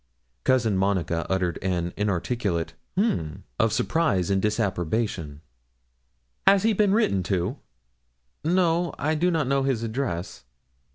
Cousin Monica uttered an inarticulate 'H'm!' of surprise or disapprobation. 'Has he been written to?' 'No, I do not know his address.'